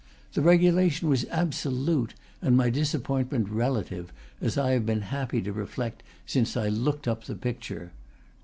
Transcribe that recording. The regulation was absolute, and my disappointment relative, as I have been happy to reflect since I "looked up" the picture.